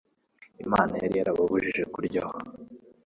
Imana yari yarababujije kuryaho,